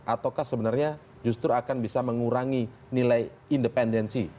ataukah sebenarnya justru akan bisa mengurangi nilai independensi